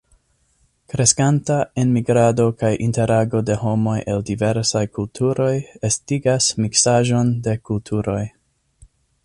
Kreskanta enmigrado kaj interago de homoj el diversaj kulturoj estigas miksaĵon de kulturoj.